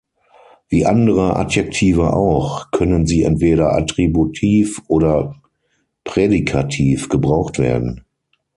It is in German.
Wie andere Adjektive auch, können sie entweder attributiv oder prädikativ gebraucht werden.